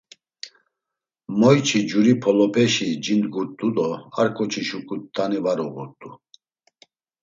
Moyçi curi polopeşi cin dgurt̆u do a ǩoçi şuǩu t̆ani uğurt̆u.